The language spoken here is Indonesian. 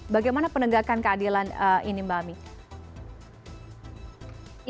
bagaimana penegakan keadilan ini mbak ami